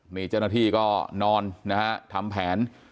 มีจนที่ก็นอนนะฮะทำแผน